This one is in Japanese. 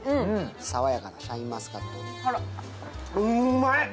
爽やかなシャインマスカット。